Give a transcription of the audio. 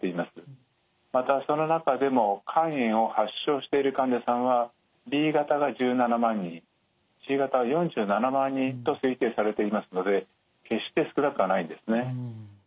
またその中でも肝炎を発症している患者さんはＢ型が１７万人Ｃ型が４７万人と推定されていますので決して少なくはないんですね。